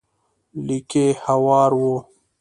ليکي هوار و.